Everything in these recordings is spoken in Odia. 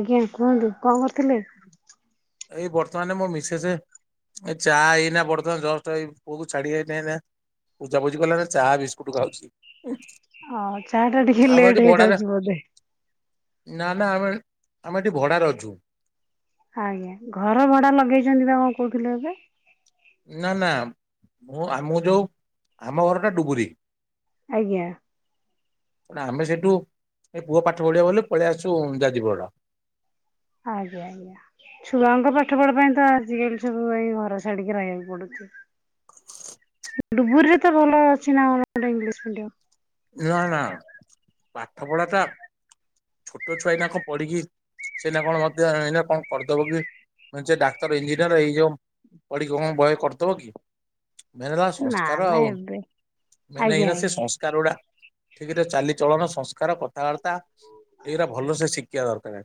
ଆଜ୍ଞା କୁହନ୍ତୁ କଣ କରୁଥିଲେ? ଏଇ ବର୍ତ୍ତମାନ ମୋ ମିଶେସେ ଏ ଚା ଏଇନା ବର୍ତ୍ତମାନ ଜଷ୍ଟ ଏଇ ପୁଅକୁ ଛାଡିକି ଏଇନା ପୂଜାପୁଜିି କଲା ବେଳେ ଚାହା ବିସ୍କୁଟ ଖାଉଚି। ହଁ ଚା ଟା ଟିକେ ଲେଟ୍ ହେଇଯାଉଚି ବୋଧେ। ନା ନା ଆମେ ଆମେ ଏଠି ଭଡାରେ ଅଛୁ। ଆଜ୍ଞା ଘର ଭଡା ଲଗେଇଛନ୍ତି ବା କଣ କହୁଥିଲୁ ଏବେ। ନା ନା ମୁଁ ଆମ ଯୋଉ ଆମ ଘର ଟା ଡୁବୁରୀ। ଆଜ୍ଞା। ଆମେ ସେଇଠୁ ଏଇ ପୁଅ ପାଠ ପଢିବ ବୋଲି ପଳେଇ ଆସିଚୁ ଯାଜିପୁର ରୋଡ। ଆଜ୍ଞା ଆଜ୍ଞା। ଛୁଆଙ୍କ ପାଠପଢା ପାଇଁ ତ ଆଜିକାଲି ସବୁ ଏଇ ଘର ଛାଡିକି ରହିଆକୁ ପଡୁଚି। ଡୁବରିରେ ତ ଭଲ ଅଛି ନା କଣ ଗୋଟେ ଇଂଲିସ ମିଡିୟମ। ନା ନା ପାଠ ପଢ଼ାଟା। ଛୋଟ ଛୁଆ ଏଇନା କଣ ପଢିକି ସେନା କଣ ମଧ୍ୟ କଣ କରିଦବ କି ଡାକ୍ତର ଇଞ୍ଜିନିୟର ଏଇ ଯୋଉ ପଡିକି କଣ ଭୟ କରିଦବ କି? ମେନ ହେଲା ନା ସଂସ୍କାର ନା ଆଉ ଏବେ ମେନ ଆଜ୍ଞା ଏଇନା ଆଜ୍ଞା। ସଂସ୍ କାରୁଡା ଠିକ ଚାଲିଚଳନ ସଂସ୍କାର କଥାବାର୍ତ୍ତା ଏଇଟା ଭଲସେ ଶିଖିବା ଦରକାରେ।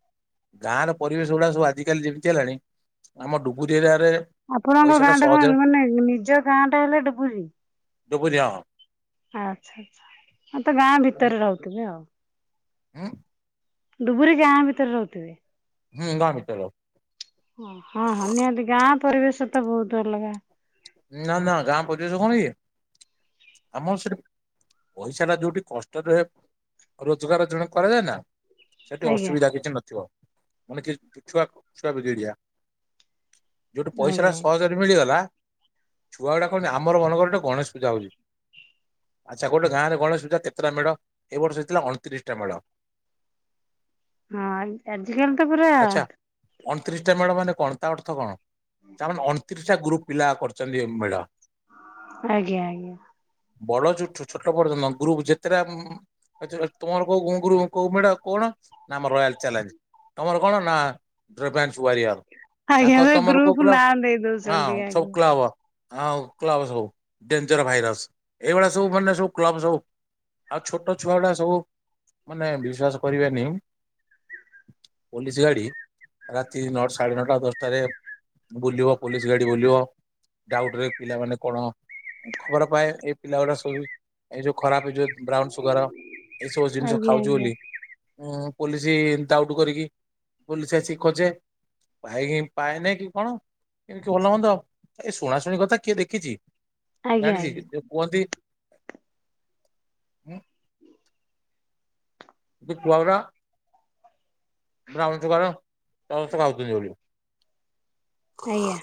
ଗାଁ ର ପରିବେଶ ଗୁଡା ସବୁ ଆଜିକାଲି ଯେମିତି ହେଲାଣି ଆମ ଡୁଗୁରି ଏରିଆରେ ଆପଣଙ୍କ ପଇସା ଗାଁ ଟା କଣ ସହଜରେ ମାନେ ନିଜ ଗାଁ ଟା ହେଲେ ଡୁବୁରି। ଡୁବୁରୀ ହଁ। ଆଛା ଆଚ୍ଛା ଆଁ ତ ଗାଁ ଭିତରେ ରହୁଥିବେ ଆଉ। ଉଁ। ଡୁବୁରି ଯାଆଁ ଭିତରେ ରହୁଥିବେ? ହୁଁ ଗାଁ ଭିତରେ। ଓ ହଁ ହଁ ନିହାତି ଗାଁ ପରିବେଶ ତ ବୋହୁତ ଅଲଗା। ନା ନା ଗାଁ ପରିବେଶ କଣ କି ଆମର ସେଠ ପଇସା ଟା ଯୋଉଠି କଷ୍ଟରେ ହ ରୋଜଗାର ଜଣେ କରେ ନା ସେଠି ଆଜ୍ଞା ଅସୁବିଧା କିଛି ନଥିବ, ମାନେ କି ଛୁଆ ଛୁଆ ବି ଦିଡିଆ ଯେଉଁଠି ପଇସାଟା ଆଜ୍ଞା। ସହଜରେ ମିଳିଗଲା ଛୁଆଗୁଡ଼ା କହନ୍ତି ଆମର [unintelligible] ଗୋଟେ ଗଣେଶ ପୂଜା ହୋଉଚି। ଆଚ୍ଛା ଗୋଟେ ଗାଁରେ ଗଣେଶ ପୂଜା କେତେଟା ମେଢ଼? ଏ ବର୍ଷ ହେଇଥିଲା ଅଣତିରିଶଟା ମେଢ଼। ହଁ ଆଜିକାଲି ତ ପୁରା ଅଣତିରିଶ ଟା ମେଡ ମାନେ କଣ ତା ଅର୍ଥ କଣ ତା ଅଣତିରିଶଟା ଗ୍ରୁପ ପିଲା କରୁଛନ୍ତି ଏ [unintelligible] ଆଜ୍ଞା ଆଜ୍ଞା। ବଡ ଚୁଠୁ ଛୋଟ ପର୍ଯ୍ୟନ୍ତ ଗ୍ରୁପ ଯେତେଟା ଆ ତମର କୋଉ [unintelligible] କୋଉ ମେଢ କୋହୁନ ନା ରୟାଲ ଚାଲେ୍ଜ। ତମର କଣ ନା ଡ୍ରପନ୍ସ [unintelligible] ଆଜ୍ଞା ଗ୍ରୁପ ନଁ ଦେଇ ଦୋଉଛନ୍ତି ଆଜ୍ଞା। କ୍ବ [unintelligible] ଡେଞ୍ଜର ଭାଇରସ ଏଇଭଳିଆ ସବୁ ମାନେ ସବୁ କ୍ଲବ ସବୁ [unintelligible] ଆଉ ଛୋଟ ଛୁଆଡା ସବୁ ମାନେ ବିଶ୍ଵାସ କରିବେନି ପୋଲିସ ଗାଡି ରାତି ନଅ ସାଢେ ନଅଟା ଦଶଟାରେ ବୁଲିବ ପୋଲିସ ଗାଡି ବୁଲିବ ଡାଉଟରେ ପିଲାମାନେ କଣ ଖବର ପାଏ ଏଇ ପିଲା ଗୁଡା ସବୁ ଏଇ ଯୋଉ ଖରାପ ଏଇ ଯୋଉ ବ୍ରାଉନ ସୁଗର ଏଇସବୁ ଜିନିଷ ଆଜ୍ଞା ଖାଉଚୁ ଆଜ୍ଞା ବୋଲି ଉଁ ପୋଲିସ ଡାଉଟ୍ କରିକି ପୋଲିସ ଆସିକି ଖୋଜେ ପାଇକି ପାଣି ନାଇକି କଣ [unintelligible] ଏ ଶୁଣା ଶୁଣି କଥା କିଏ ଦେଖିଚି ଆଜ୍ଞା ଜାଣିଛି [unintelligible] ଛୁଆ ଗୁରା ବ୍ରାଉନ ସୁଗାର ସମସ୍ତେ ଖାଉଛନ୍ତି ବୋଲି। ଆଜ୍ଞା।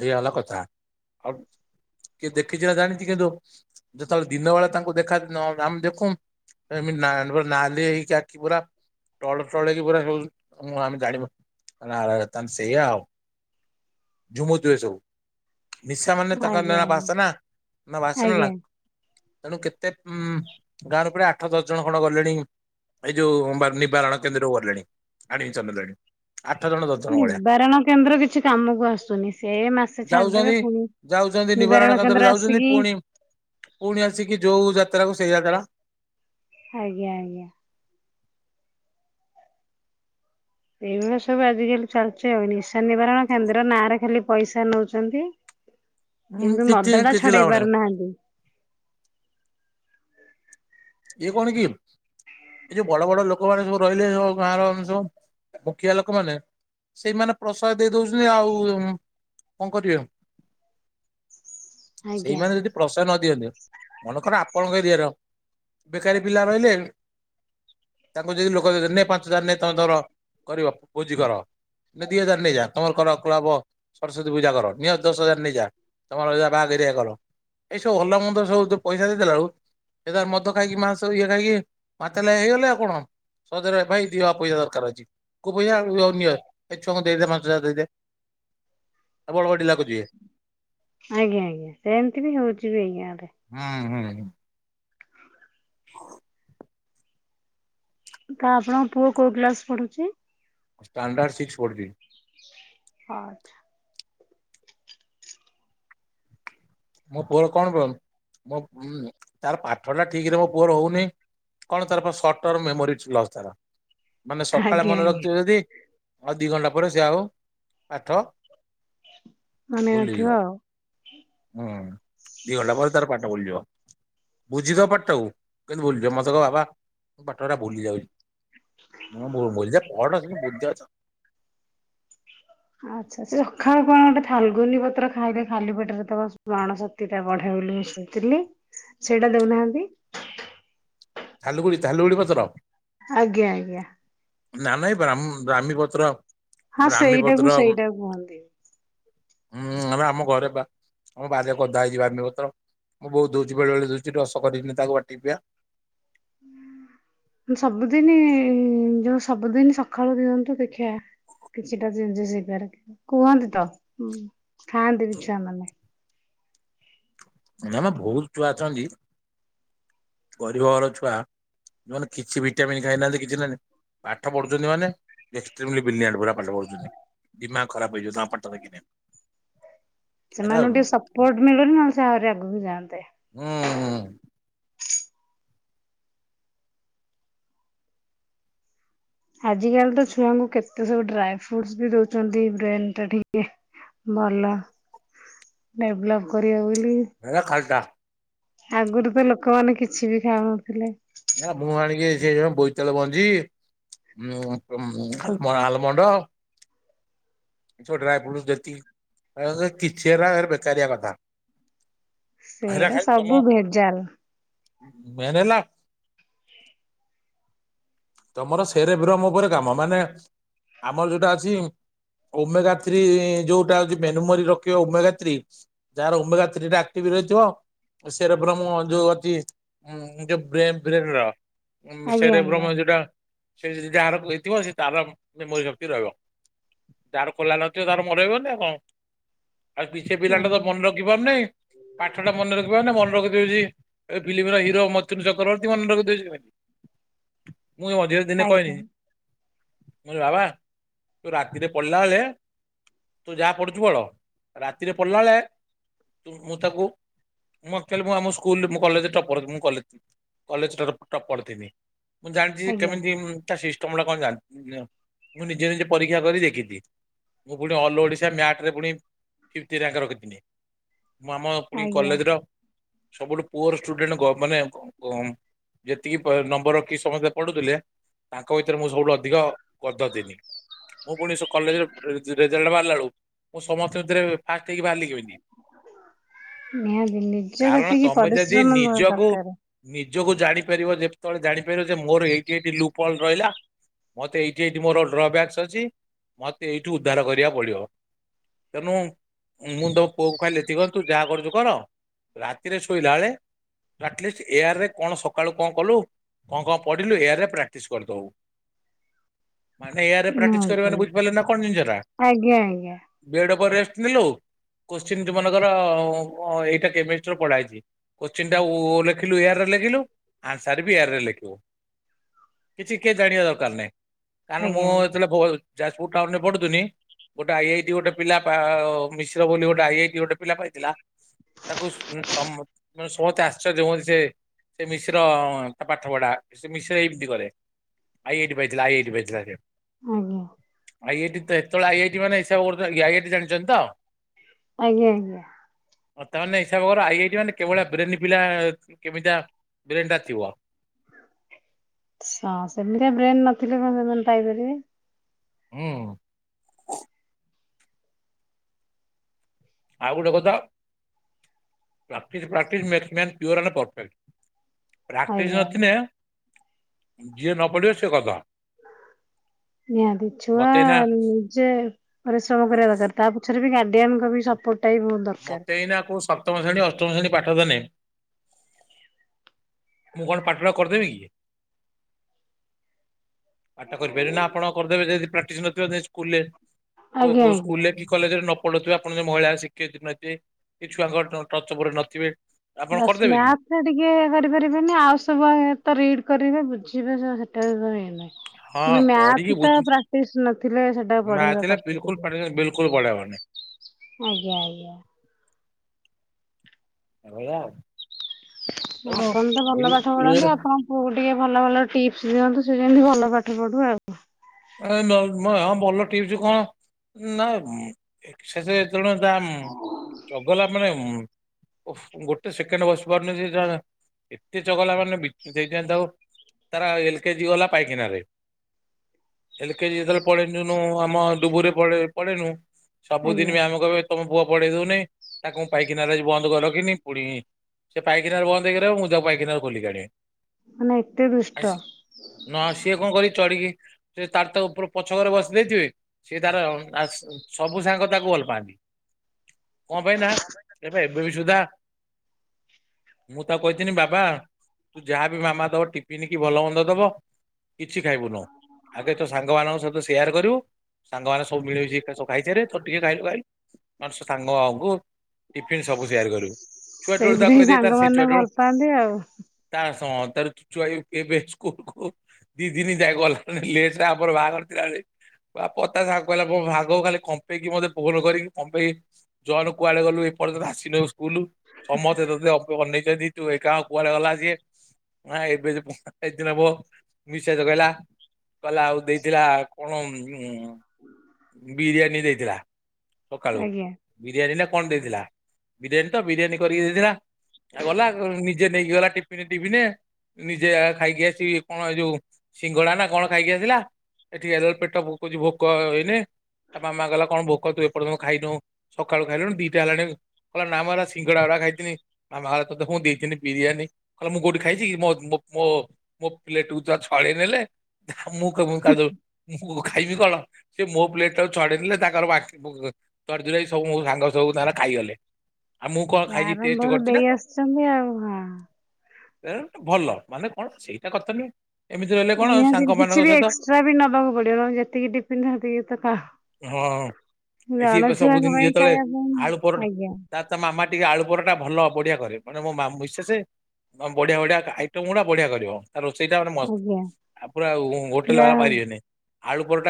ଏଇ ଅଲ କଥା ଆଉ କିଏ ଦେଖିଛିି ନା ଜାଣିଛି କିନ୍ତୁ ଯେତେବେଳେ ଦିନ ବେଳେ ତାଙ୍କୁ ଦେଖାନ ଆମେ ଦେଖୁ ଏମିତି ନାଲି ହେଇଛି ଆଖି ପୁରା ଟଳ ଟଳେଇକି ପୁରା ସବୁ ଆମେ ଜାଣିବା ତାଲେ ସେଇଆ ଆଉ ଝୁମୁ ଥିବେ ସବୁ ନିଶା ମାନେ ଆଜ୍ଞା ତାଙ୍କର ଆଜ୍ଞା ନା ଆଜ୍ଞା ବାସନା ନା ବାସନା ଆଜ୍ଞା। ଲାଗ ତେଣୁ କେତେ ଉ ଗାଁର ପୁଣି ଆଠ ଦଶ ଜଣ ଖଣ୍ଡ ଗଲେଣି ଏଇ ଯୋଉ ନି ନିବାରଣ କେନ୍ଦ୍ର ଗଲେଣି ଆଡ଼ମିଶନ ହେଲେଣି। ଆଠ ଜଣ ଦ ନିବାରଣ କେନ୍ଦ୍ର କିଛି କାମକୁ ଆସୁନି ସେ ମାସ ଯାଉଛନ୍ତି ଯାଉଛନ୍ତି ନିବାରଣ କେନ୍ଦ୍ର ଯାଉଛନ୍ତି ପୁଣି ପୁଣି ଆସିକି ଯୋଉ ଯାତ୍ରା କୁ ସେଇ ଯାତ୍ରା ଆଜ୍ଞା ଆଜ୍ଞା। ଏଇଭଳିଆ ସବୁ ଆଜିିକାଲି ଚାଲିଚି ଆଉ ନିଶା ନିବାରଣ କେନ୍ଦ୍ର ନାଁ ରେ ଖାଲି ପଇସା ନଉଛନ୍ତି ଉଁ କିନ୍ତୁ କିଛି ମଦଟା କିଛି ଲାଭ ଛଡେଇ ନାହିଁ ପାରୁନାହାନ୍ତି। ଏ କଣ କି? ଏଇ ଯୋଉ ବଡ ବଡ ଲୋକମାନେ ସବୁ ରହିଲେ ସ ଗାଁରମ ସବୁ ମୁଖିଆ ଲୋକମାନେ ସେଇମାନେ ପ୍ରସାଦ ଦେଇ ଦଉଛନ୍ତି ଆଉ କଣ କରିବେ? ଆଜ୍ଞା। ସେଇମାନେ ଯଦି ପ୍ରଶୟ ନ ଦିଅନ୍ତେ ମନେକର ଆପଣଙ୍କ ଏରିଆର ବେକାରୀ ପିଲା ରହିଲେ ତାଙ୍କୁ ଯଦି ଲୋକ ନାଇ ପାଞ୍ଚ ହଜାର ନେ ତମେ ତମର କରିବ ଭୋଜି କର। ଦି ହଜାର ନେଇଯା ତମର କର କୁଳ ହବ ସରସ୍ଵତୀ ପୂଜା କର ନିହତ ଦଶ ହଜାର ନେଇଯା। ତମର ଏଟା ବାହାଘରିଆ କର ଏଇ ସବୁ ଭଲ ମନ୍ଦ ସବୁ ପଇସା ଦେଇଦଲା ବେଳୁ ଏଟା ମଦ ଖାଇକି ମାସ ଇଏ ଖାଇକି ମାତାଲ ହେଇଗଲେ ଆଉ କଣ ସଜରେ ଭାଇ ଦିଅ ପଇସା ଦରକାର ଅଛି। କୋଉ ପଇସା ନିଅ ଏ ଛୁଆଙ୍କୁ ଦେଇଦେ ପାଞ୍ଚ ହଜାର ଦେଇଦେ ଆଉ ବଡ ଢିଲା କରି ଆଜ୍ଞା ଆଜ୍ଞା ସେମିତି ବି ହଉଛି ବି ଗାଁ ରେ। ହୁଁ ହୁଁଁ। ତ ଆପଣଙ୍କ ପୁଅ କୋଉ କ୍ଲାସ ପଢୁଛି? ଷ୍ଟାଣ୍ଡାର୍ଡ ସିକ୍ସ ପଢୁଛି। ହଁ ଆଛା। ମୋ ପୁଅର କଣ କହନୁ ମୋ ତାର ପାଠଟା ଠିକରେ ମୋ ପୁଅର ହଉନି। କଣ ତାର ସଟର ମେମୋରିସ୍ ଲସ ତାର ମାନେ ସକାଳେ ଆଜ୍ଞା ମନେ ଆଜ୍ଞା ରଖିଥିବ ଯଦି ଆଉ ଦିଇ ଘଣ୍ଟା ପରେ ସେ ଆଉ ପାଠ ମନେ ଭୁଲିଯିବ ନଥିବ ଆଉ ହୁଁ ଦିଇ ଘଣ୍ଟା ପରେ ତାର ପାଠ ଭୁଲିଯିବ। ବୁଝିଦବ ପାଠଟାକୁ କିନ୍ତୁ ଭୁଲି ଯିବ ମତେ କହିବ ବାବା ମୁଁ ପାଠଟା ଭୁଲି ଯାଉଛି। [inaudible] ଆଚ୍ଛା। ସେ ସଖାଳୁ କଣ ଗୋଟେ ଥାଲଗୁନି ପତ୍ର ଖାଇଲେ ଖାଲି ପେଟରେ ତ ସ୍ମରଣ ଶକ୍ତିଟା ବଢେ ବୋଲି ଶୁଣିଥିଲି। ସେଇଟା ଦଉନାହାନ୍ତି। ଥାଲୁଗୁଡି ଥାଲୁଗୁଡି ପତ୍ର। ଆଜ୍ଞା ଆଜ୍ଞା। ନା ନାଇଁ ବ୍ରା୍ମ ବ୍ରାହ୍ମୀ ପତ୍ର। ହଁ ବ୍ରାହ୍ମୀ ପତ୍ର ସେଇଟାକୁ ସେଇଟା କୁହନ୍ତି। ହୁଁ ଆମେ ଆମ ଘରେ ପା। ହଁ ବାହାରେ ଗଦା ହେଇଛି ବ୍ରାହ୍ମୀ ପତ୍ର ମୋ ବୋଉ ଦଉଛି ବେଳେ ବେଳେ ଦଉଛି ରସ କରିଛିିନି ତାକୁ ବାଟିକି ପିଆ। ସବୁଦିନି ଯୋଉ ସବୁଦିନି ସଖାଳୁ ଦିଅନ୍ତୁ ଦେଖିଆ। କିଛିଟା ଜିନିଷ ହେଇପାରେ କୁହନ୍ତି ତ ଖାଆନ୍ତି ଛୁଆମାନେ ନା ମା ବହୁତ ଛୁଆ ଅଛନ୍ତି ଗରିବ ଘର ଛୁଆ ଯୋଉମାନେ କିଛି ଭିଟାମିନ ଖାଇନାହାନ୍ତି କିଛି ଖାଇନାହାନ୍ତି। ପାଠ ପଢୁଚନ୍ତି ମାନେ ଏକ୍ସଟ୍ରୀମ୍ଲି ବ୍ରିଲିଆଣ୍ଟ୍ ଭଳିଆ ପାଠ ପଢୁଚନ୍ତି। ଦିମାଗ୍ ଖରାପ୍ ହେଇଯିବ ତାଙ୍କ ପାଠ ଦେଖିଲେ। ଏରା ସେମାନଙ୍କୁ ହୁଁ ଟିକେ ସପୋର୍ଟ ମିଳୁନି ନହେଲେ ସେ ଆହୁରି ଆଗକୁ ଯାଆନ୍ତେ। ହୁଁ -ହୁଁ। ଆଜିକାଲି ତ ଛୁଆଙ୍କୁ କେତେ ସବୁ ଡ୍ରାଏ ଫ୍ରୁଟସ୍ ବି ଦଉଚନ୍ତି ବ୍ରେନ୍ ଟା ଟିକେ ଭଲ ଡେଭେଲପ୍ କରିବ ବୋଲି। ହେରା ଖାଲ୍ ଟା। ଆଗରୁ ତ ଲୋକମାନେ କିଛି ବି ଖାଉନଥିଲେ। ଏରା ମୁଁ ଆଣିକି ସେ ବୋଇତାଳୁ ମଞ୍ଜୀ ଉଁ- ଆଲ୍- ଆଲମଣ୍ଡ। ଯଉ ଡ୍ରାଇ ଫ୍ରୁଟ୍ ଦେତି ହେରା କିଛି ହେରା ବେକାରିଆ କଥା। ହେରା ସେଇଟା ଖାଇ ସବୁ ତମ ଭେଜାଲ ମେନ୍ ହେଲା ତମର ସେରେ ଭ୍ରମ ଉପରେ କାମ ମାନେ ଆମର ଯଉଟା ଅଛି ଓମେଗା ଥ୍ରୀ ଯଉଟା ହଉଚି ମେନମୋରି ରଖିବ ଓମେଗା ଥ୍ରୀ ଯାହାର ଓମେଗା ଥ୍ରୀ ଟା ଆକ୍ଟିଭ୍ ରହିଥିବ ସେର ଭ୍ରମ ଯଉ ଅଛି ଉଁ- ଯଉ ବ୍ରେ-ବ୍ରେନ୍ ର ଉଁ ଆଜ୍ଞା -ସେରେ ଭ୍ରମ ଯଉଟା ସେ ଯଦି ଯାହାର ହେଇଥିବ ସେ ତାର ମେମୋରି ଶକ୍ତି ରହିବ। ଯାର ଖୋଲା ନଥିବ ତାର ମନେ ରହିବନି ଆଉ କଣ ଆଉ କି ସେ ପିଲା ଟା ତ ଆଜ୍ଞା ମନ ଜୀବନ୍ ନେଇଁ ପାଠ ଟା ମନେ ରଖି ପାରୁନି ମନେ ରଖି ଦଉଚି ଏ ଫିଲ୍ମର ହରୋ ମଥୁନୁ ଚକ୍ରବର୍ତୀ ମନେ ରଖି ଦଉଚି ଖାଲି। ମୁଁ ଏ ମଝିରେ ଦିନେ ଆଜ୍ଞା ଆଜ୍ଞା। କହିଲି-କହିଲି ବାବା ତୁ ରାତିରେ ପଢିଲା ବଳେ ତୁ ଯାହା ପଢୁଚୁ ପଢ ରାତିରେ ପଢିଲା ବଳେ ତୁ ମୁଁ ତାକୁ ମୁଁ ଆକ୍ଚୁଆଲି ମୁଁ ଆମ ସ୍କୁଲରେ- ମୁଁ କଲେଜରେ ଟପର୍ ଥିଲି କଲେ- କଲେଜ୍ ଟପ୍ପର ଥିଲି। ମୁଁ ଜାଣିଚି ଯେ ଆଜ୍ଞା କେମିତି ତା ସିଷ୍ଟମ୍ ଟା କଣ ଜାଣି ମୁଁ ନିଜେ ନିଜେ ପରୀକ୍ଷା କରି ଦେଖିଚି। ମୁଁ ପୁଣି ଅଲ୍ ଓଡ଼ିଶା ମ୍ୟାଟ୍ ରେ ପୁଣି ଫିଫ୍ଟି ର୍ୟାଙ୍କ ରଖିଥିଲି। ମୁଁ ଆମ ପୁଣି ଆଜ୍ଞା କଲେଜ୍ ର ସବୁଠୁ ପୁଅର ଷ୍ଟୁଡେଣ୍ଟଙ୍କ ମାନେ ଅ- ଯେତିକି ପ-ନମ୍ବର ରଖି ସମସ୍ତେ ପଢୁଥିଲେ ତାଙ୍କ ଭିତରେ ମୁଁ ସବୁଠୁ ଅଧିକ ଗଧ ଥିଲି। ମୁଁ ପୁଣି ସ- କଲେଜରେ ରେ-ରେଜଲ୍ଟ୍ ବାହାରିଲା ବଳକୁ ମୁଁ ସମସ୍ତଙ୍କ ଭିତରେ ଫାଷ୍ଟ୍ ହେଇକି ବାହାରିିଲି କେମିତି। ନିହାତି ନିଜେ କାରଣ ସେତିକି ତମେ ଯଦି ପରିଶ୍ରମ ନିଜକୁ ଦରକାର୍। ନିଜକୁ ଜାଣିପାରିବ ଯେତବେଳେ ଜାଣିପାରିବ ଯେ ମୋର ଏଇଠି ଏଇଠି ଲୁଫଲ୍ ରହିଲା ମୋତେ ଏଇଠି ଏଇଠି ମୋର ଡ୍ରବ୍ୟାକ୍ସ ଅଛି ମତେ ଏଇଠୁ ଉଦ୍ଧାର କରିବାକୁ ପଡ଼ିବ। ତେଣୁ ମୁଁ ତମ ପୁଅକୁ ଖାଲି ଏତିକି କହିଲି ତୁ ଯାହା କରୁଚୁ କର ରାତିରେ ଶୋଇଲା ବେଳେ ଆଟଲିଷ୍ଟ ଏୟାରେ କଣ ସକାଳୁ କଣ କଲୁ କଣ କଣ ପଢିଲୁ ଏୟାରେ ପ୍ରାକ୍ଟିସ୍ କରିଦବୁ। ମାନେ ଏୟାରେ ପ୍ରାକ୍ଟିସ କରିବା ନିହାତି ଟା ବୁଝିପାରିଲେ ନା କଣ ଜିନିଷଟା? ଆଜ୍ଞା ଆଜ୍ଞା ବେଡ୍ ଉପରେ ରେଷ୍ଟ ନେଲୁ କୋସ୍ଚିନ୍ ଟି ମନେକର ଏଇଟା କେମିଷ୍ଟି ର ପଢା ହେଇଚି। କୋଶ୍ଚିନ୍ ଟା ଓ ଲେଖିଲୁ ଏୟାରେ ଲେଖିଲୁ ଆନ୍ସର୍ ବି ଏୟାରେ ଲେ କିଛି କିଏ ଜାଣିବା ଦରକାର ନାହିଁ କାରଣ ମୁଁ ଆଜ୍ଞା ଯେତେବେଳେ ବୋ ଯାଜପୁର ଟାଉନ୍ ରେ ପଢଥୁନି ଗୋଟେ ଆଇଆଇଟି ଗୋଟେ ପିଲା ଆ-ମିଶ୍ର ବୋଲି ଗୋଟେ ଆଇଆଇଟି ଗୋଟେ ପିଲା ପାଇଥିଲା ତାକୁ ସ -ସମ ମାନେ ସମସ୍ତେ ଆଶ୍ଚର୍ଯ୍ୟ ହୁଅନ୍ତି ସେ ସେ ମିଶ୍ର ତା ପା ପାଠ ପଢା ସେ ମିଶ୍ର ଏମିତି କରେ ଆଇଆଇଟି ପାଇଥିଲା ଆଇଆଇଟି ପାଇଥିଲା ସେ। ଆଜ୍ଞା। ଆଇଆଇଟି ତ ହେତଳେ ଆଇଆଇଟି ମାନେ ହିସାବ କରୁଥିବେ ଆଇଆଇଟି ଜାଣିଚନ୍ତି ତ? ଆଜ୍ଞା ଆଜ୍ଞା। ହଉ ତା ମାନେ ହିସାବ କର ଆଇଆଇଟି ମାନେ କେଭଳିଆ ବ୍ରେନି ପିଲା କେମିତିଆ ବ୍ରେନ୍ ଟା ଥିବ। ହଁ ସେମିତିଆ ବ୍ରେନ୍ ନଥିଲେ କଣ ସେମାନେ ପାଇପାରିବେ। ହୁଁ। ଆଉ ଗୋଟେ କଥା practice practice makes man pure and perfect. Practice ଆଜ୍ଞା ଆଜ୍ଞା ନଥିନେ ଯିଏ ନ ପଢିବ ସେ ଗଧ। ନିହାତି ଛୁଆ ମତେ ଏଇନା ଯେ ପରିଶ୍ରମ କରିବା ଦରକାର ତା ପଛରେ ବି ଗାର୍ଡିଆନଙ୍କ ବି ସପୋର୍ଟଟା ଭୁଲ୍। ମତେ ଏଇନା କୋଉ ସପ୍ତମ ଶ୍ରେଣୀ ଅଷ୍ଟମ ଶ୍ରେଣୀ ପାଠ ଦେନେ ମୁଁ କଣ ପାଠଟା କରିଦେବି କି? ପାଠ କରିପାରିବେନି ଆପଣ କରିଦେବେ ଯଦି ପ୍ରାକ୍ଟିସ୍ ନଥିବ ଦେ ଛୁ କୁଲେ ଓ ଆଜ୍ଞା କୋଉ ଆଜ୍ଞା। ସ୍କୁଲରେ କି କଲେଜରେ ନ ପଢୁଥିବେ ଆପଣ ଯଦି ମହିଳା ଶିକ୍ଷୟତ୍ରୀ ନହେଇଥିବେ କି ଛୁଆଙ୍କର ଟ ଟଚପରା ନଥିବେ ଆପଣ ବାସ୍ କରିଦେବେ କି? ମ୍ୟାଥ୍ ସେଟା ଟିକେ କରିପାରିବେନି ଆଉ ସବୁଆ ତ ରିଡ୍ କରିବେ ବୁଝିବେ ସେଟା ବି ହେଇନାହିଁ। ହଁ କିନ୍ତୁ ପଢିକି ମ୍ୟାଥ୍ ଟା ବୁଝି ପ୍ରାକ୍ଟିସ ନଥିଲେ ସେଟା ମ୍ୟାଥ୍ ପଢେଇବା ରେ କଷ୍ଟ ବିଲକୁଲ ଟିକେ। ବିଲକୁଲ ପଢେଇବନି। ଆଜ୍ଞା ଆଜ୍ଞା। ଏଇ ଭଳିଆଉ। ତେଣୁ ଆପଣ ତ ଭଲ ପାଠ ଇଏ ପଢ଼ାନ୍ତି ଆପଣ ପୁଅକୁ ଟିକେ ଭଲ ଭଲ ଟିପ୍ସ ଦିଅନ୍ତୁ ସେ ଯେମିତି ଭଲ ପାଠ ପଢୁ ଆଉ। ଏ ନର୍ମା ହଁ ଭଲ ଟିପ୍ସ କଣ ନା ଏକ୍ସେସ୍ ଜଣେ ଦାମ୍ ଚ ଗଲା ମାନେ ଓଫ୍ ଗୋଟେ ସେକେଣ୍ଡ ବସିପାରୁନି ସେ ଯାହା ଏତେ ଚଗଲା ମାନେ ବିଛୁ ସେଇଥିପାଇଁ ତାକୁ ତାର ଏଲ କେ ଜିି ଗଲା ପାଇଖିନାରେ। ଏଲ କେ ଜି ଯେତେବେଳେ ପଢେଇନୁ ନୁ ଆମ ଡୁବୁରିରେ ପଢେଇନୁ ସବୁଦିନ ଆଜ୍ଞା ମ୍ୟାମ୍ କହିବେ ତମ ପୁଅ ପଢେଇ ଦଉନି ତାକୁ ମୁଁ ପାଇଖିନାରେ ଆଜି ବନ୍ଦ କରକି ରଖିନି ପୁଣି ସେ ପାଇଖିନାରେ ବନ୍ଦ ହେଇକି ରହିବ ମୁଁ ତାକୁ ପାଇଖିନାରୁ ଖୋଲିକି ଆଣିବି। ମାନେ ଏତେ ଆ ଦୁଷ୍ଟ। ନା ସିଏ କଣ କରି ଚଢିକି ସେ ତାର ତ ଉପରେ ପଛ ଘରେ ବସି ଦେଇେଇଥିବେ ସିଏ ତାର ଆସ ସବୁ ସାଙ୍ଗ ତାକୁ ଭଲ ପାଆନ୍ତି। କଣ ପାଇଁ ନା ଏ ଏବେ ବି ସୁଧା ମୁଁ ତାକୁ କହିିଥିନି ବାବା ତୁ ଯାହାବି ମାମା ଦବ ଟିଫନ୍ କି ଭଲ ମନ୍ଦ ଦବ କିଛି ଖାଇବୁନଉ ହୁଁ ଆଗେ ତୋ ସାଙ୍ଗମାନାନଙ୍କ ସହିତ ସେୟାର କରିବୁ ସାଙ୍ଗ ମାନେ ସବୁ ମିଳି ମିସିକି ସ ଖାଇସାରିବେ ତୁ ଟିକେ ଖାଇଲୁ ଖାଇଲୁ ନହେନେ ସ ସାଙ୍ଗଙ୍କୁ ଟିଫିିନ ସବୁ ସେୟାର କରିବୁ। ଛୁଆଟୁଳୁ ତାକୁ ସେଇଥିପାଇଁ କହି ଦେଇତା ସେ ସାଙ୍ଗମାନେ ଭଲ ଛୁଆଟୁଳୂ ପାଆନ୍ତି ଆଉ [unintelligible] [unintelligible] [unintelligible] କହିଲା ଭାଗ ଖାଲି କମ୍ପେଇକି ମତେ ଫୋନ କରିକି କମ୍ପେଇକି ଜନ କୁଆଡେ ଗଲୁ ଏପର୍ଯ୍ୟନ୍ତ ଆସିନୋଉ ସ୍କୁଲ ସମସ୍ତେ ତତେ ଅ ଅନେଇଚନ୍ତି ତୁ ଏକାହା କୁଆଡ ଗଲା ସିଏ [unintelligible] ମିସେସ କହିଲା କହିଲା ଆଉ ଦେଇଥିଲା କଣ ଉ ବିରିୟାନୀ ଦେଇଥିଲା। ସକାଳୁ ଆଜ୍ଞା। ବିରିୟାନୀ ନା କଣ ଦେଇଥିଲା ବିରିୟାନୀ ତ ବିରିୟାନୀ କରିକି ଦେଇଥିଲା। ଆଉ ଗଲା ନିଜେ ନେଇକି ଗଲା ଟିଫିନ ରେ ଟିଫିନିଏ ନିଜେ ଖାଇକି ଆସିଚି କଣ ଏ ଯୋଉ ସିଙ୍ଗଡା ନା କଣ ଖାଇକି ଆସିଲା। ଏଠିକି ଆଇଲାଳୁ ପେଟ ଭୋ କହୁଚନ୍ତି ଭୋକ ହେଇନେ ତା ମାମା କହିଲା କଣ ଭୋକ ତୁ ଏପର୍ଯ୍ୟନ୍ତ ଖାଇନୁ ସକାଳୁ ଖାଇଲୁଣି ଦିଟା ହେଲାଣି କଇଲା ନା ମୁଁ ଏରା ସିଙ୍ଗଡା ଉରା ଖାଇଥିନି ତା ମା ତୋ ଦେ ମୁଁ ଦେଇଥିଲି ବିରିୟାନୀ କହିଲା ମୁଁ କୋଉଠି ଖାଇଛି କି ମୋ ମୋ ମୋ ପିଲେଟକୁୁ ତ ଛଡ଼େଇ ନେଲେ। ଏ ମୁଁ କ ମୁଁ ଖାଇବି କଣ ସେ ମୋ ପ୍ଲେଟ ଟାକୁ ଛଡେଇ ନେଲେ ତାଙ୍କର ବାନ୍ ବୁ ତଡି ତୁଡାକି ସବୁ ମୋ ସାଙ୍ଗ ସବୁ ତାଙ୍କର ଖାଇଗଲେ। ଆଉ ମୁଁ କଣ ସେ ଖାଇକି ଟେଷ୍ଟ ଆରମ୍ଭରୁ କରିଚି ନାଁ ଦେଇ କଣ। ଆସିଛନ୍ତି ଆଉ ହଁ। ଏ ଗୋଟେ ଭଲ ମାନେ କଣ ସେଇଟା କଥା ନୁହେଁ ଏମିତି ରହିଲେ କଣ ସ ଟିଫିନ୍ କିଛି ବି ଏକ୍ସଟ୍ରା ବି ନବାକୁ ପଡିବ ତମ ଯେତିକି ଟିଫିନ୍ ସେତିକି ତ ଖାଅ। ହଁ ଏଠି ଜଣେ ଛୁଆଙ୍କ ସବୁଦିନ ପାଇଁ ଯେତେବେଳେ ଖାଇବା ଆଳୁ ପାଇଁ ପରଟା ଆଜ୍ଞା। ତା ତା ମାମା ଟିକେ ଆଳୁ ପରଟା ଭଲ ବଢିଆ କରେ ମାନେ ମୋ ମା ମିସେସେ ବଢିଆ ବଢିଆ ଆଇଟମ ଗୁଡା ବଢିଆ କରିବ ତା ରୋଷେଇ ଟା ଗୋଟେ ମସ୍ତ। ଆଜ୍ଞା ଆଉ ପୁରା ହୋଟେଲ୍ ବାଲା ଯାହା ପାରିବେନି ଆଳୁ ପରଟା